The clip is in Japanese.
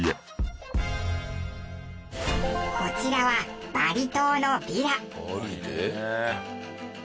こちらはバリ島のヴィラ。